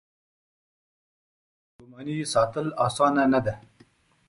په داسې حالت کې خوشګماني ساتل اسانه نه ده.